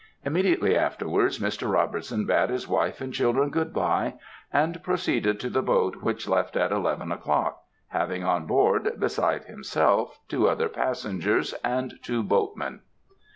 Immediately afterwards Mr. Robertson bade his wife and children good bye, and proceeded to the boat which left at eleven o'clock, having on board, besides himself, two other passengers, and two boatmen.